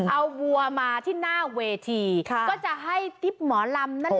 เอาวัวมาที่หน้าเวทีก็จะให้ทริปหมอลำนั่นแหละ